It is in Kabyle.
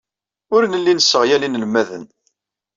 Ur nelli nesseɣyal inelmaden.